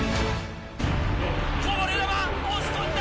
こぼれ球押し込んだ。